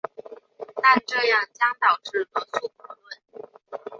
但这样将导致罗素悖论。